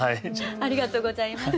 ありがとうございます。